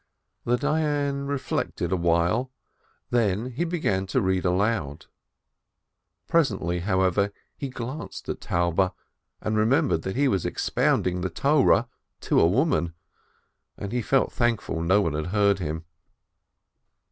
The Dayan reflected a while, then he began to read aloud. Presently, however, he glanced at Taube, and remem bered he was expounding the Torah to a woman ! And he felt thankful no one had heard him.'